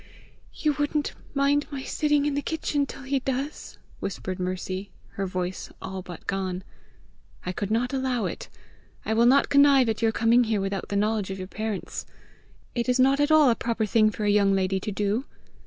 "You wouldn't mind my sitting in the kitchen till he does?" whispered Mercy, her voice all but gone. "I could not allow it. I will not connive at your coming here without the knowledge of your parents! It is not at all a proper thing for a young lady to do!"